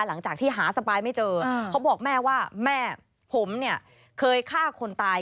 หลังจากที่หาสปายไม่เจอเขาบอกแม่ว่าแม่ผมเนี่ยเคยฆ่าคนตาย